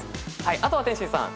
あとは天心さん